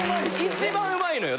一番美味いのよ。